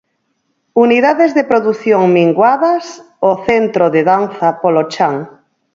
Unidades de produción minguadas, o Centro de Danza polo chan.